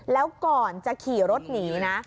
แล้วก่อนจะขี่รถหนีนะ